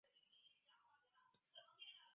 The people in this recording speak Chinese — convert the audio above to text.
门罗县是美国乔治亚州中部的一个县。